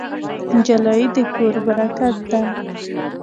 نجلۍ د کور برکت ده.